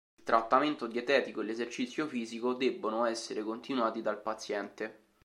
Il trattamento dietetico e l'esercizio fisico debbono essere continuati dal paziente.